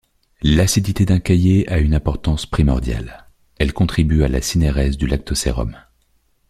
L'acidité d'un caillé a une importance primordiale: elle contribue à la synérèse du lactosérum.